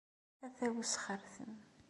Ata usxertem!